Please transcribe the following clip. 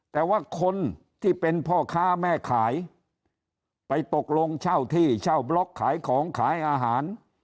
แต่ว่าคนที่เป็นพ่อค้าแม่ขายไปตกลงเช่าที่เช่าบล็อกขายของขายอาหาร